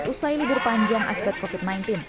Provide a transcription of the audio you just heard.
usai libur panjang akibat covid sembilan belas